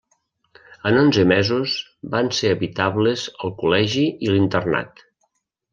En onze mesos van ser habitables el col·legi i l’internat.